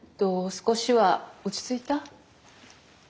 少しは落ち着いた？